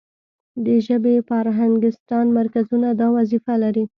د ژبې فرهنګستان مرکزونه دا وظیفه لري.